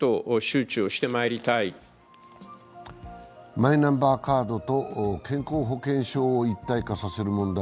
マイナンバーカードと健康保険証を一体化させる問題。